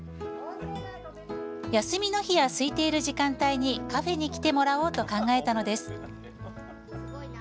休みの日やすいている時間帯にカフェに来てもらおうと考えたのです。